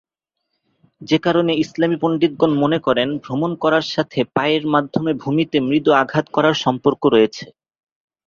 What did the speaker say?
যে কারণে ইসলামি পণ্ডিতগণ মনে করেন, ভ্রমণ করার সাথে পায়ের মাধ্যমে ভূমিতে মৃদু আঘাত করার সম্পর্ক রয়েছে।